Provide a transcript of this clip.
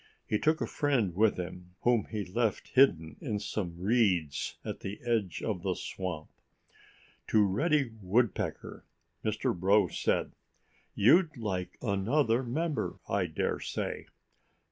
He took a friend with him, whom he left hidden in some reeds at the edge of the swamp. To Reddy Woodpecker Mr. Crow said, "You'd like another member, I dare say."